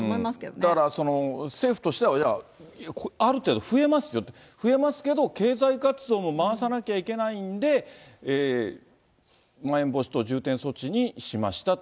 だから政府としては、いや、ある程度増えますよと、増えますけど、経済活動も回さなきゃいけないんで、まん延防止等重点措置にしましたと。